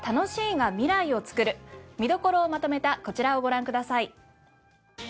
見どころをまとめたこちらをご覧ください。